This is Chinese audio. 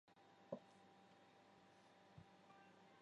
卡芭叶也是少数曾和摇滚音乐人合作过的歌剧唱家。